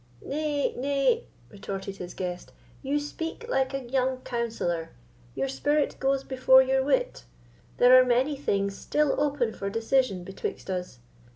"Nay, nay," retorted his guest, "you speak like a young counsellor; your spirit goes before your wit. There are many things still open for decision betwixt us.